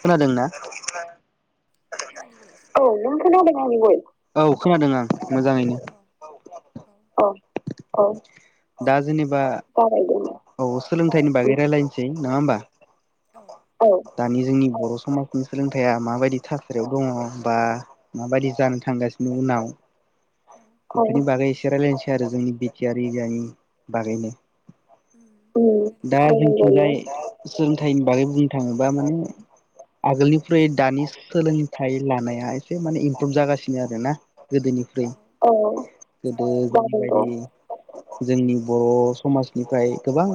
खोनादों ना आंनि भइस औ नों खोनादों औ खोनादों आं औ औ मोजाङैनो दा जाबाय दे जेनेबा औ उम सोलोंथाइनि बागै रायलायनो नोसै नंङा होनबा औ औ दानि जोंनि बर' समाजनि सोलोंथाइया माबायदि थासारियाव दङ बा माबायदि जानो थांगासिनो उनाव औ ना बागै रायलायनोसै आरो जोंनि बिटिआ एरियानि बागैनो रायलाय दा जायो जोंथिंजाय [unintelligible] नि बारै बुंनो थाङो बा माने आगोलनिख्रुइ दानि सोलोंथाइ लानाया एसे माने इमप्रुभ जागासिनो आरो ना गोदोनिफ्राय औ गोदो जादोंथ' औ जों जोंनि बर' समाजनिफ्राय गोबां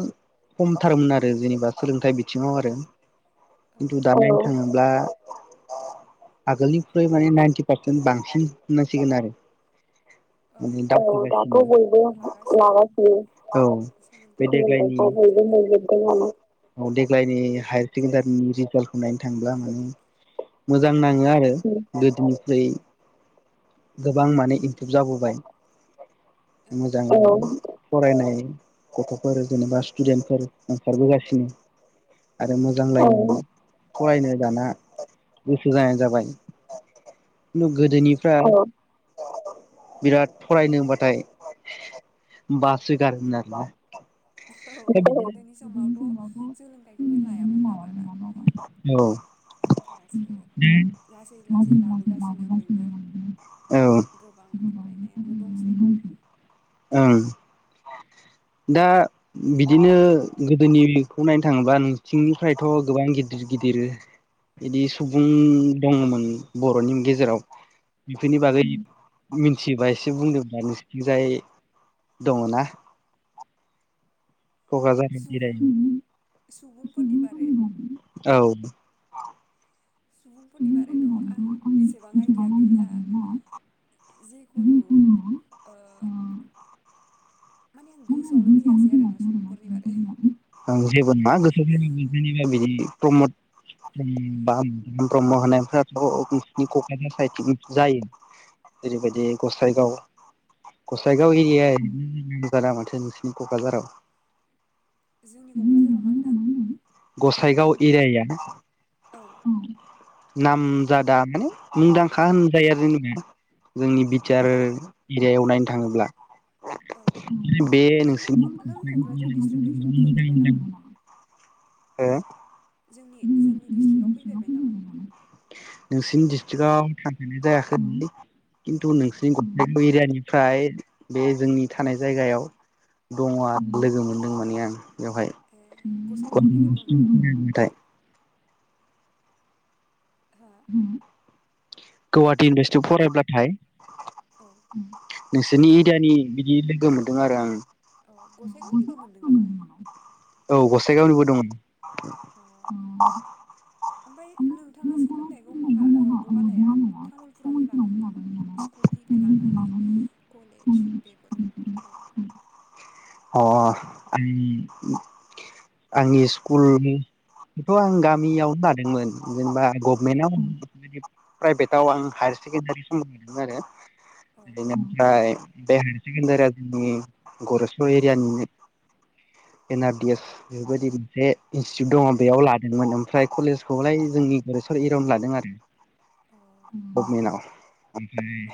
खमथारमोन आरो जेनेबा सोलोंथाइ बिथिङाव आरो खिन्थु दाना थाङोब्ला आगोलनिख्रुइ माने नाइनटि पारसेन्ट बांसिन होननांसिगोन आरो औ दाथ' बयबो लागासिनो औ बे सोलोंथाइखौ देग्लायनि बयबो मोनजोबदोंआनो औ देग्लायनि हाय सेकेणडारिनि रिजाल्टखौ नायनो थाङोब्ला माने मोजां नाङो उम आरो गोदोनि गै गोबां माने इमप्रुभ जाबोबाय औ मोजाङै फरायनाय गथ'फोर जेनेबा स्टुडेन्टफोर ओंखारबोगासिनो आरो औ मोजांलायनानै फरायनो दाना गोसो जानाय जाबाय खिन्थु औ गोदोनिफ्राय बिराद फरायनोबाथाय बासोगारोमोन आरोना औ दा बिदिनो गोदोनि समावथ' सोलोंथाइखौनो लायामोन ना बारा [unintelligible] दासो ओं लासै लासै लाबोगासिनो बयबो दा गोबां बिदिनो फरायनायानो दंसै गोदोनिखौ नायनो थाङोबा नों थिंनिफ्रायथ' गोबां गिदिर गिदिर बिदि सुबुं दङमोन बर'नि गेजेराव बेफोरनि औ बागै मिथियोबा एसे बुंदोंबा नोंसोरथिंजाय दङना क'क्राझाराव इरियायाव फोरनि बारे सुबुंफोरनि बारैथ' आं एसेबां आइडिया गैला जिखुनु ओ माने आं गोसोआवनो फैयासै आरोना सुबुंफोरनि बारै [unintelligible] जेबो नङा [unintelligible] प्रमद ब्रह्म बा ब्रह्म होनायफोराथ' नोंसिनि क'क्राझार साइटिं जायो ओेरैबायदि गसाइगाव गसाइगाव औ [unintelligible] रा माथो नोंसिनि क'क्राझाराव जोंनि क'क्राझाराव मा होनदों [unintelligible] गसाइगाव एरियाया औ नामजादा माने मुंदांखा होनजायो आरो जोंबा जोंनि बि टि आर एरियायाव नायनो थाङोब्ला औ बे नोंबो फ नोंसोरनि नों क'क्राझार डिस्ट्रिक्ट फैफिन फैफेरबाय नामा [unintelligible] हो जोंनि जोंनि डिस्ट्रिक्टआव फैफेरबाय नामा [unintelligible] नोंसिनि दिडिस्ट्रिक्आव थांफेरनाय औ जायाखै खिन्थु नोंसिनि अ गसाइगाव एरियानि फ्राय बे जोंनि थानाय जायगायाव औ दङ लोगो मोन [unintelligible] बेवहाय ए गसाइगावनिबो दं नामा [unintelligible] हा हम गुवाहाटि इउनिभारसिटियाव फरायब्लाथाय औ [unintelligible] नोंसोरनि एरियानि बिदि लोगो मोन्दों आरो आं औ गसाइगावनिबो मोनदों नामा साइगावनिबो दंमोन अ ओमफ्राय नोंथाङा सोलोंथाइ बहालाया तामुलपुरावनो लादोंमोन नामा स्कुलनिफ्राय लानानै कलेज बेफोरखौ अ आं आंनि स्कुलथ' आं गामियावनो लादोंमोन जेनेबा औ गभमेटआव आ मान प्राइभेटाव आं हायार सेकेण्डारि समबो औ नागिरदों आरो [inaudible] बे हायार सेकेण्डारिया जोंनि गरेसर एरियानि एन आरडि एस बेफोरबायदि मोनसे इनस्टिटिउट दङ बेयाव लादोंमोन ओमफ्राय कलेजखौलाय जोंनि गे एरावन लादों आरो [unintelligible] औ औ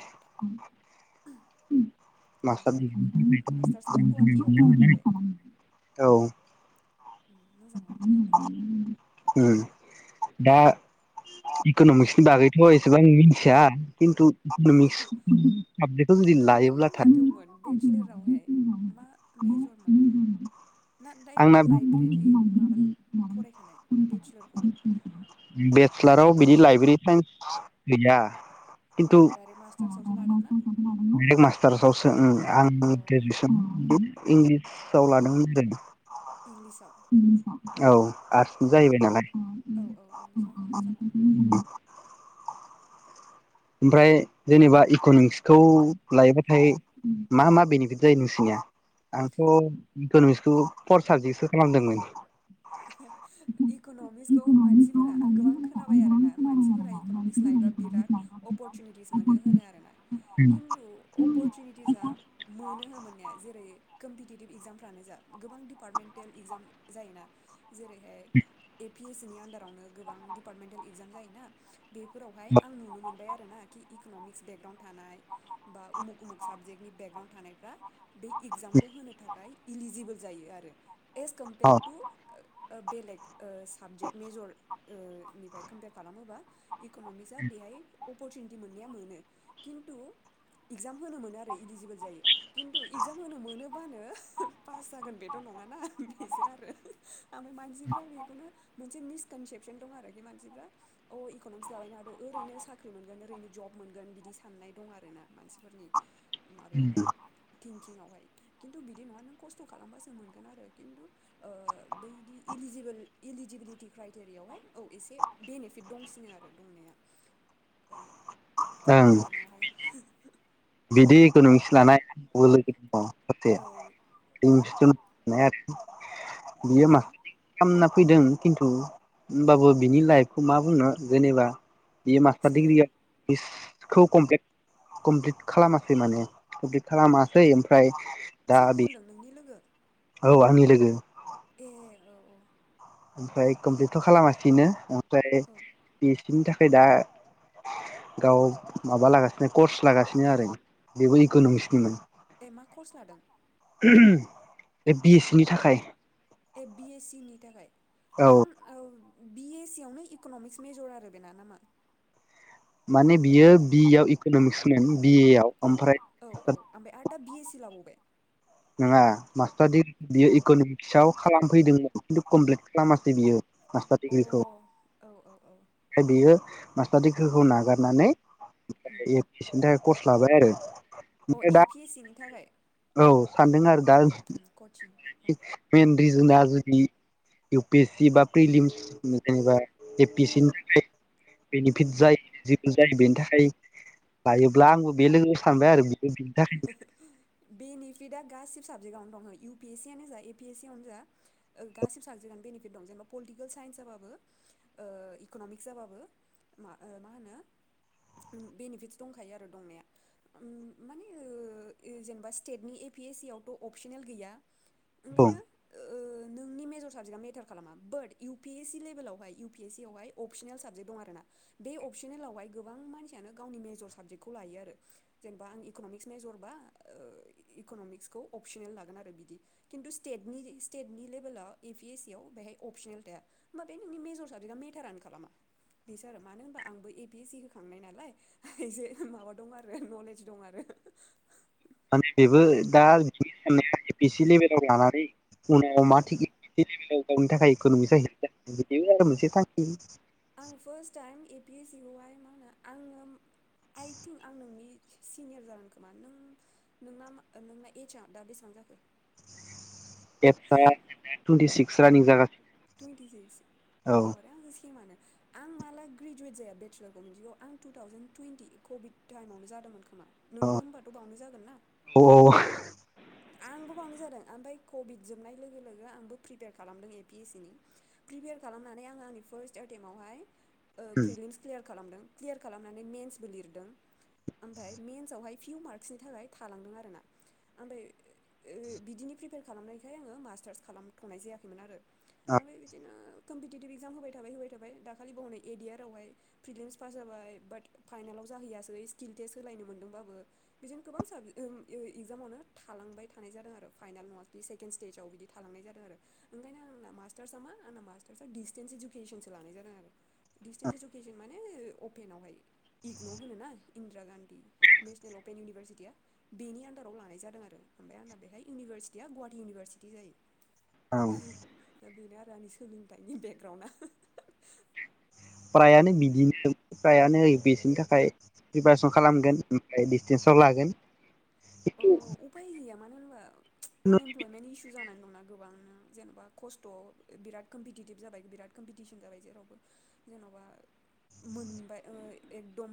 ओमफ्राय मास्टार्सखौ गुवाहाटियाव खालामहैबाय [unintelligible] औ उम मोजाङानो जादों दे दा इक'न'मिक्सनि बागैथ' एसेबां मिथिया खिन्थु इक'न'मिक्स साबजेक्टखौ जुदि नोंथांना लायोब्लाथाय माथोमोन बेचलारावहाय मा मेजरमोन ना आंना दडाइरेक्ट लाइब्रेरि माबा फरायखानाय बेचलारखौबो। बेसलाराव बिदि लाइब्रेरि साइन्स गैया। अ खिन्थु डाइरेक्ट मास्टार्सआवसो लादोंना मास्टारसावसो उम आं औ ग्रेजुवेसनमोन इंलिस साव लादोंमोन आरो इंलिसाव औ आरसो औ जाहैबाय नालाय। औ औ इंलिसावथ' मोजाङानो [unintelligible] [unintelligible] ओमफ्राय जेनेबा इकनमिक्सखौ लायोबाथाय उम मा मा बेनि जायो नोंसिनिया आंथ इकनमिक्सखौ फर साबजेक्टसो खालामदोंमोन। इकनमिक्सखौ मानसिफोरा आं गोबां खोनाबाय आरोना मानसिफोरा इकनमिक्स लायोबा बिराद अपर सुनिटिस मोनो होनो आरोना उम खिन्थु अपरसुनिटिसा मोनो हो मोननाया। जेरै कम्पिटिटिभ इक्जामफ्रानो जा गोबां दिडिपार्टमेन्टेल इगजाम जायोना। जेरै उम पि एस सि नि आन्दारावनो गोबां दिपार्टमेन्टेल एगजाम जायोना। बेफोरावहाय आं नुनो मोनबाय आरो आरो ना कि इकनमिक्स बेकग्राउन्ड थानाय बा उमुक उमुख साबजेक्टनि बेकग्राउन्ड थानायफ्रा बे इगजामखौ होनो थाखाय इलिजिबोल जायो आरो। एस कम्पेयार अ टु ओ बेलेग साबजेक्ट मेजर निफ्राय कम्पयार खालामोबा इकनमिक्सा बेहाय अपरसुनिटि मोननाया मोनो। खिन्थु इगजाम होनो मोनो आरो इलिजिबोल जायो खिन्थु इगजाम होनो मोनोबानो पास जागोन बेथ नङाना बेसो आरो। ओं मानसिफ्रा बेखौनो मोनसे मिसकनसेपसन दं आरोखि मानसिफ्रा अ इकनमिक्स लाबायनो हादौ ओरैनो साख्रि मोनगोन ओरैनो जब मोनगोन बिदि साननाय दं आरो ना मानसिफोरनि माबायावहाय थिंकिंआवहाय खिन्थु बिदि नङा नों खस्थ खालामबासो मोनगोन आरो खिन्थु ओ बैदि इलिजिबोल इलिजिबिलिटि क्राइटेरियावहाय ओ इसे बेनिफिट दंसिनो आरो दंनाया। दा ओं बेनो आरो। [inaudible] बिदि इकनमिक्स लानाय आंनावबो लोगो औ दं। हो [unintelligible] [inaudible] मा बियोमा होनदों [unintelligible] फैदों खिन्थु होमबाबो बिनि लाइफखौ मा बुंनो जेनेबा बे मास्टार सोरो दिग्रि [unintelligible] खौ कमफ्लेट कमप्लिट खालामासै माने कमफ्लेट खालामासै ओमफ्राय दा सोरखौ बे होनदों नोंनि लोगो औ आंनि लोगो ए औ औ ओमफ्राय कमप्लिटथ' खालामासैनो ओमफ्राय ए औ पि एस सिनि थाखाय दा गाव माबा लागासिनो कर्स लागासिनो आरो बेबो इक'न'मिक्सनिमोन ए मा कर्स लादों ए पि एस सिनि थाखाय ए बि एस सि नि थाखाय औ आं औ बि ए सि आवनो इक'न'मिक्स मेजर आरो बेना नामा माने बियो बिए आव इकनमिक्स मोन औ औ औ ओमफ्राय आरो दा बि ए मिथि लाबावबाय नङा मास्टार दिडिग्रि बियो इक'नमिक्सआव खालामफैदोंमोन खिन्थु कमप्लिट खालामासै बियो मास्टार अ दिडिग्रिखौ औ औ औ ओमफ्राय बियो मास्टार दिग्रिखौ नागारनानै उम [unintelligible] कर्स लाबाय आरो अ ओमफ्राय दा ए पि एस सि नि थाखाय औ सानदों आरो दा उम उम कचिं [unintelligible] अ [unintelligible] इउ पि एस सि बा प्रिलि जेनेबा ए प उम सिनि थाखाय बेनिफिट उम जायो जायो बेनि थाखाय लायोब्ला आंबो बे लोगोआव सानबाय आरो बिनि थाखायनो [unintelligible] बेनिफिडआ गासिबो साबजेआवनो दं इउ पिएस आनो जा एएस सि आनो जा गासि साबजेक्टआनो बेनिफट दं जबा पटिकेल स इकनमि जाबो मा होनोनिफट दंखायो आरो दंनाया माने ओ जेनेबा स्टेटनि ए पि एस सि आवथ' अपसनेल गैया दं ओंखायनो ओ नोंनि मेजर साबजेक्टआ मेटार खालामा बाट इउ पि एस सि लेभेलावहाय इउ पि एस सि आवहाय अपसनेल साबजेक्ट दं आर ना बे अपसनेलावहाय गोबां मानसियानो गावनि मेजर साबजेक्टखौ लायो आरो जेनेबा आं इक'नमिक्स मेजरबा इक'नमिक्सखौ अपसनेल लागोन आरो बिदि खिन्थु स्टेटनि स्टेटनि लेभेलाव ए पि एस सि आव बेहाय अपसनेल थाया होम बे नोंनि मेजर साबजेक्टआ मेटार आन खालामा बेसो आरो मानो होनबा आंबो ए पि एस सि होखांनाय नालायसेे माबा दं आरो नलेज दं आरो [unintelligible] माने बेबो दा बि साननाय ए पि एस सि लेभेलाव लानानै उनाव मा औ थिग [unintelligible] गावनि थाखाय इकन'मिक [unintelligible] बेबो आरो मोनसे थांखि आं फास टाइम बे ए पि सिखौहाय मा होनो आङो आइथिंक आं नोंनि सिनियर जागोन खोमा नों नोंना नोंना एजआ दा बेसेबां जाखो एस आंना टुइनटिसिकस एस रानिं जागा टुेन्टि सिक्स [unintelligible] आं माला ग्रेजुवेट जाया बेलखौथिगौ आं टु थावजेेन टुइटि कभिड टाइमावनो जादोंमोन होमा औ नोंबो होनबाथ' बावनो जागोन ना आंबो बावनो जादों ओमफफ्राय कभिड जोबनाय लोगो लोगो आंबो प्रिपेयार खालामदों ए पि एस सि नि प्रिपेयार खालामनानै आं आंनि फार्स्ट एटेम् आवहाय ओ फ्रिलिमस खालाम क्यार खालामनानै मेेनसबो लिरदों ओमफ्राय मेेनसआवहाय फिउ मार्कसनि थाखाय थालांदों आरो ना ओमफ्राय बिदिनि प्रिपेयार खालामनायखाय आङो मास्टार्स खालामथ'नाय जायाखैमोन आरो औ आं बेबादिनो कमपिटिटिभ इक्जाम होबाय थाबाय होबाय थाबाय दाखालि बावनै एडियार आवहाय फ्रिलिेमस पास जाबाय बाट फाइनलाव जाहैयासै स्किल टेस्ट होलायनो मोनदोंबाबो बिदिनो गोबां साबेक इगजामावनो थालांबाय थानाय जादों आरो फाइनेल नङा बिदि सेकेणड स्टेजाव बिदि थालांनाय जादों आरो ओंखायनो आंना मास्टार्सआ मा आंना मास्टार्सआ डिसटेन्स इडुकेसनसो लानाय जादों आरो दिडिसटेन्स इडुकेसन माने अपेनावहाय इगनर होनो ना इन्दिरा गान्धी नेसनेल अपेन इउनिभारसिटिया बेनि आन्दाराव लानाय जादों आरो आरो ओमफ्राय आं बेहाय इउनिभारसिटिया गुवाहाटि इउनिभारसिटि जायो औ दा बेनो आरो आंनि सोलोंथाइनि बेकग्राउणडआ फ्रायानो बिदिनो फ्रायानो बिसोरनि ए पि एस सि निथाखाय प्रिपारेसन खालामगोन ओमफ्राय डिसटेन्साव लागोन अ उफाय गैया मानो होनबा आनइमप्लयमेन्ट इसु जानानै दंना गोबां नों जेनबा खस्थ कमपिटिटिप जाबाय कमपपटिसन जाबाय जेनबा मोनबाय जों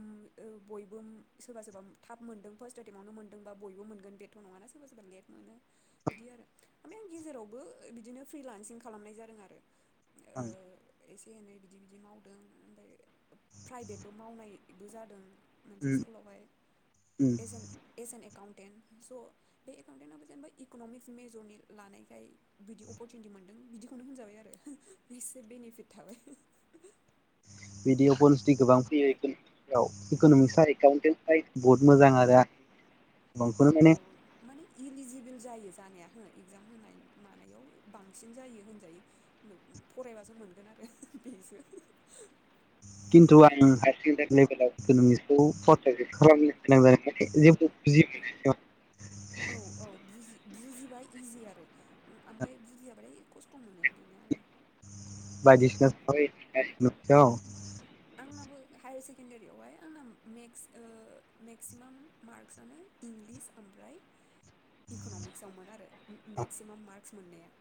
बयबो सोरबा सोरबा [unintelligible] बयबो बयबो मोनगोन बेथ' नङाना सोरबा सोरबा लेट मोनो बिदि आरो ओमफ्राय आं गेजेरावबो बिदिनो फ्रिलान्सिं खालामनाय जादों आरो एसे एनै बिदि बिदि मावदों ओमफफ्राय प्राइभेटबो मावनायबो जादों मोनसे स्कुलावहाय एकाउन्टेन्ट स' बे एकाउन्टेन्टाबबो जेनेबा इक'न'मिक्स मेजरनि लानायखाय बिदि अपरसुनिटि मोनदों बिदिखौनो होनजाबाय आरो एसे बेनिफिट थाबाय बिदि अपरचनिटि गोबां फैयो इिव इक'नमिक्स एकाउन्टेन बहुत मोजां आरो औ गोबांखौनो माने औ माने इलिजिबोल जायो जानाया इजाम होनाय मानायाव बांसिन जायो होनजायो फरायबासो मोनगोन आरो बेजों खिन्थु आं हायार सेकेणडारि लेभेलाव [unintelligible] खौ खालामनो गोनां जादों जे [unintelligible] बुजिबाय इजि आरो ओमफ्राय बुजियाबालाय खस्थ' मोनो बेनो आरो बादिसिना आंनाबो हायार सेकेडारियावहाय आंना मक्स मेक्सिमाम मार्क्सनो इंलिस ओमफ्राय इक'न'मिक्स आवमोन आरो मेक्सिमाम मार्क मोननाया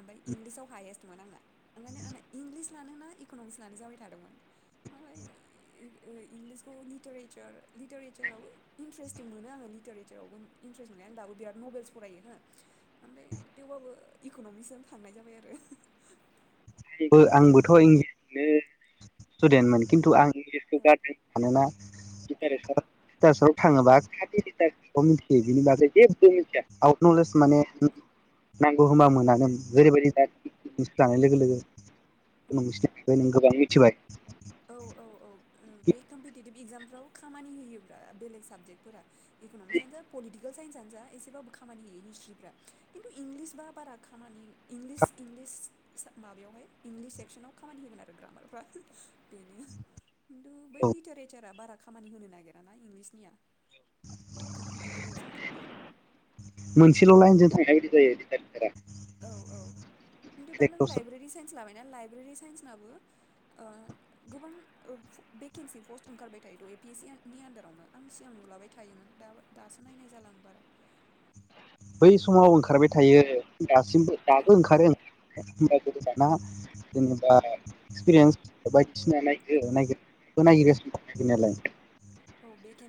ओमफ्राय इंलिसाव हायेस्ट दंमोन आंना [unintelligible] इंलिस लानो ना इकन'मिस लानो जाबाय [unintelligible] दोंमोन ओमफ्राय इंलिसखौ लिटारेचार आबो इन्टारेस्टिं मोनो आङो लिटारेचार आबो इन्टारेस्टि मोनो आं दाबो बिराद नभेलस फरायो हो ओमफ्राय थेवबाबो इक'नमिक्सनो साननाय जाबाय आरो आंबो आंबोथ' इंनो स्टुडेन्टमोन खिन्थु आं इंलिसखौ गारदों मानोना [unintelligible] थाङोबाखौ मिथियो बिनि बै जेबो मिथिया आवट नलेज माने नांगौ होनबा मोनानो ओेरैबायदि लानाय लोगो लोगो औ सिनायाखै नों गोबां मिथिबाय औ औ औ बे कम्पिटिटिभ एगजामफ्राव खामानि होयोब्रा बेलेग साबजेक्टफोरा इकनमिक्स आनो जा पलिटिकेल साइन्सआनो जा एसेबाबो खामानि होयो हिस्ट्रिफ्रा खिन्थु इंलिस बा बारा खामानि इंलिस इंलिस माबायावहाय इंलिस सेक्सनाव खामानि होगोन आरो ग्रामारफ्रा बेनो खिनथु बै औ लिटारेसारा बारा खामानि होनो नागिरा ना इंलिसनिया कम्पिटिटिभ एगजामफ्रावहाय मोनसेल' लाइनजों थांनाय बायदि जायो लिटारेसारा औ औ खिन्थु दा नों लाइब्रेरि साइन्स लाबायना लाइब्रेरि साइन्सनाबो गोबां भेकेन्सि पस्ट ओंखारबाय थायो थ' एपि एस सि नि आन्दारावनो आं सिगां नुलाबाय थायोमोन दा दासो नायनाय जाला आं बारा बै समाव ओंखारबाय थायो दासिमबो औ दाबो ओंखारो होनबाबो दाना जेनेबा एक्सपिरियेन्स बायदिसिना नागिरो [unintelligible] नायगिरासिनो नागिरनायालाय औ